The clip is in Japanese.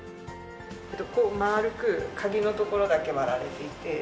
丸く鍵の所だけ割られていて。